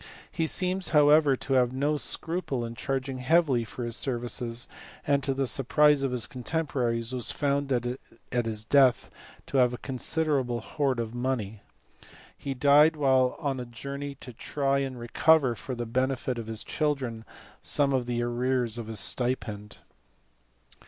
He seems however to have had no scruple in charging heavily for his services, and to the surprise of his contemporaries was found at his death to have a considerable hoard of money. He died while on a journey to try and recover for the benefit of his children some of the arrears of his stipend.